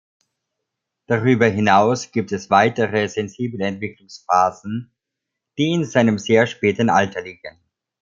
Darüber hinaus gibt es weitere sensible Entwicklungsphasen, die in einem sehr späten Alter liegen.